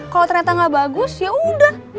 kalau ternyata gak bagus yaudah